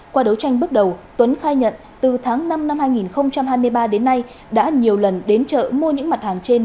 qua đấu tranh bước đầu tuấn khai nhận từ tháng năm năm hai nghìn hai mươi ba đến nay đã nhiều lần đến chợ mua những mặt hàng trên